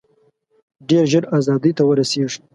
ډېر ژر آزادۍ ته ورسیږي.